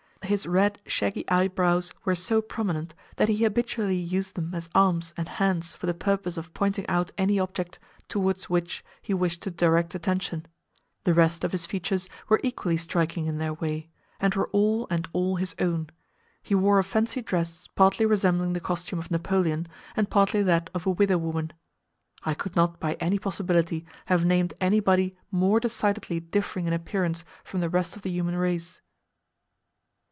His red shaggy eyebrows were so prominent, that he habitually used them as arms and hands for the purpose of pointing out any object towards which he wished to direct attention; the rest of his features were equally striking in their way, and were all and all his own; he wore a fancy dress partly resembling the costume of Napoleon, and partly that of a widow woman. I could not by any possibility have named anybody more decidedly differing in appearance from the rest of the human race.